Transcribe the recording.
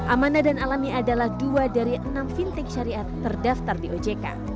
amanah dan alami adalah dua dari enam fintech syariat terdaftar di ojk